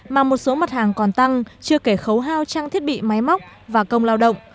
mà một số mặt hàng còn tăng chưa kể khấu hao trang thiết bị máy móc và công lao động